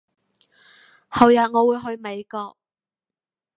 後日我會去美國